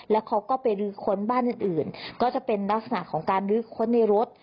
แล้วเขาก็ไปลื้อค้นบ้านอื่นก็จะเป็นลักษณะของการลื้อค้นในรถ